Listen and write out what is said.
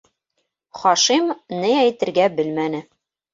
- Хашим ни әйтергә белмәне.